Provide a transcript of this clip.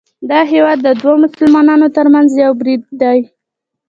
دا هیواد د دوو مسلمانانو ترمنځ یو برید دی